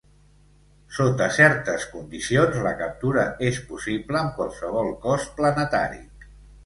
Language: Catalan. Sota certes condicions, la captura és possible amb qualsevol cos planetari.